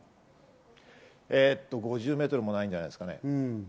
５０メートルもないんじゃないんですかね。